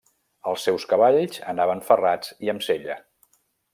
Els seus cavalls anaven ferrats i amb sella.